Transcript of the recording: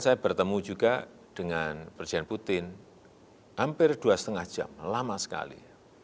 saya bertemu juga dengan presiden putin hampir dua lima jam lama sekali